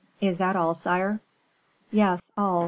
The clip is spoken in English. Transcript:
"Is that all, sire?" "Yes, all.